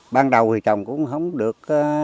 ban đầu thì trồng cũng không được